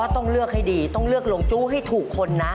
ต้องเลือกให้ดีต้องเลือกลงจู้ให้ถูกคนนะ